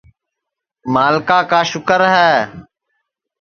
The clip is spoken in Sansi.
ملکا کا سُکر ہے